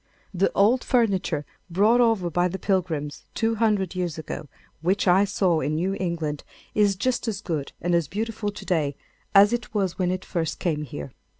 The old furniture brought over by the Pilgrims, two hundred years ago, which I saw in New England, is just as good and as beautiful to day as it was when it first came here.